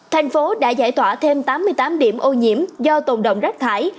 thành phố đã giải tỏa thêm tám mươi tám điểm ô nhiễm do tồn động rác thải